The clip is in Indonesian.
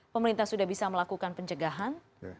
pemerintah sudah bisa melakukan pencegahan